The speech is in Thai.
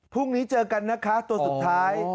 พรุ่งนี้เจอกันนะคะตัวสุดท้าย